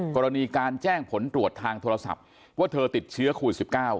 กรณีการแจ้งผลตรวจทางโทรศัพท์ว่าเธอติดเชื้อโควิด๑๙